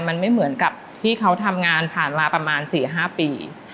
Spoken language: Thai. มันไม่เหมือนกับที่เขาทำงานผ่านมาประมาณ๔๕ปี